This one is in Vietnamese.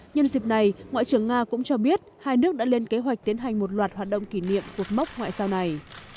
nhân dịp này ngoại trưởng nga cũng cho biết hai nước đã lên kế hoạch tiến hành một loạt hoạt động kỷ niệm cuộc mốc ngoại giao này